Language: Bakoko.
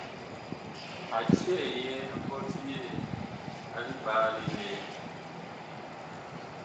A cɛyɛɛ mbɔti yɛɛ a liɓaalí ŋlɛɛ.